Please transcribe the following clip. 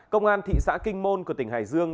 công an thị xã kinh môn của tỉnh hải dương